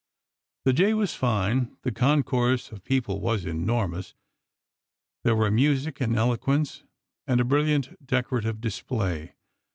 The day was fine, the concourse of people was enormous ; there were music and eloquence and a brilliant deco rative display.